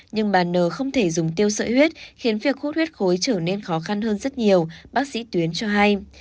nhưng bà n không thể dùng tiêu sợi huyết khiến việc hút huyết khối trở nên khó khăn hơn rất nhiều bác sĩ tuyến cho hay